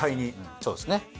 そうですね。